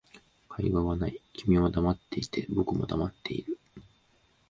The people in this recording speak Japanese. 会話はない、君は黙っていて、僕も黙っている